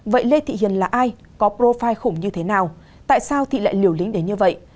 vậy lê thị hiền là ai có profi khủng như thế nào tại sao thị lại liều lính đến như vậy